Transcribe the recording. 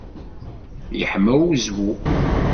Yeḥma wezwu.